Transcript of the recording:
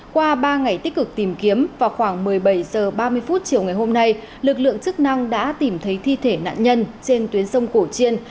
qua ba ngày tích cực tìm kiếm vào khoảng một mươi bảy h ba mươi chiều ngày hôm nay lực lượng chức năng đã tìm thấy thi thể nạn nhân trên tuyến sông cổ chiên